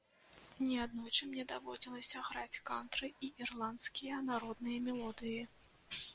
Не аднойчы мне даводзілася граць кантры і ірландскія народныя мелодыі.